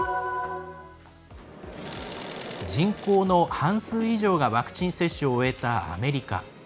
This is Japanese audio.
人口の半数以上がワクチン接種を終えたアメリカ。